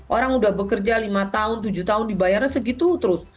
orang sudah bekerja lima tahun tujuh tahun dibayarnya segitu terus